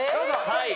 はい。